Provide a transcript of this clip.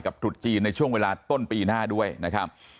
ตรุษจีนในช่วงเวลาต้นปีหน้าด้วยนะครับ